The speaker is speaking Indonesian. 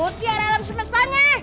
mutiar alam semestanya